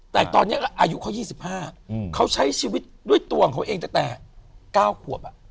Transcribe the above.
เพราะจะไว้ตัวของเขาเองตั้งแต่๙ขวบ